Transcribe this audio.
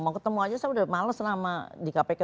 mau ketemu aja saya udah males nama di kpk